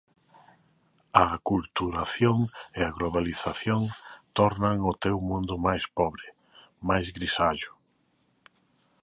A aculturación e a globalización tornan o teu mundo máis pobre, máis grisallo